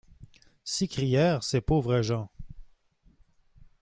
s’écrièrent ces pauvres gens.